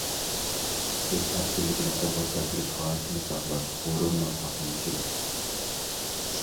ئۆز ئەركىنلىكىنى قولغا كەلتۈرۈش غايىسىنى ساقلاش غۇرۇرنىڭ ساقلىنىشىدۇر.